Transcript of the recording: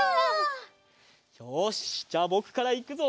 よしじゃあぼくからいくぞ！